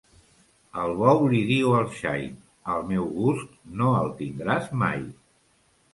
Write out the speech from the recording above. El bou li diu al xai: el meu gust no el tindràs mai.